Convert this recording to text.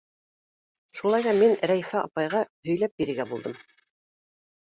Шулай ҙа мин Рәйфә апайға һөйләп бирергә булдым.